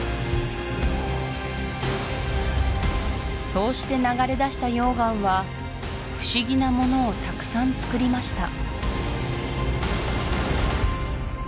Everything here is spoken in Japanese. そうして流れ出した溶岩は不思議なものをたくさんつくりました